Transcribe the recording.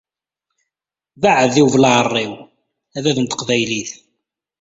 Beɛɛed i ubelɛarriw, a bab n teqbaylit